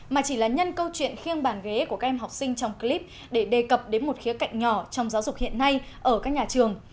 mà chỉ là nhân câu chuyện khiêng bàn ghế của các em học sinh trong clip để đề cập đến một khía cạnh nhỏ trong giáo dục hiện nay ở các nhà trường